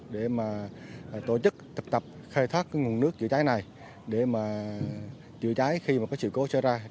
để mà tổ chức thực tập khai thác cái nguồn nước chữa cháy này để mà chữa cháy khi mà có sự cố xảy ra